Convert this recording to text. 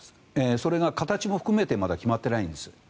それも形を含めて決まってないんです。